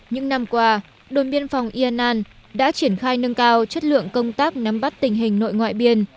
những năm qua đồn biên phòng yên an đã triển khai nâng cao chất lượng công tác nắm bắt tình hình nội ngoại biên